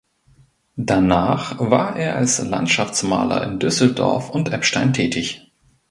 Danach war er als Landschaftsmaler in Düsseldorf und Eppstein tätig.